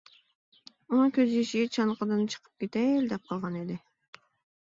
ئۇنىڭ كۆز يېشى چانىقىدىن چىقىپ كېتەيلا دەپ قالغان ئىدى.